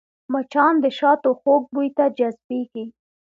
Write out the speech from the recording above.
مچان د شاتو خوږ بوی ته جذبېږي